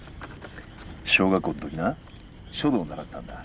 小学校の時な書道を習ってたんだ。